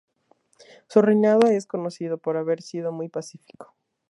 Su reinado es conocido por haber sido muy pacífico.